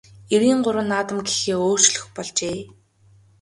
Эрийн гурван наадам гэхээ өөрчлөх болжээ.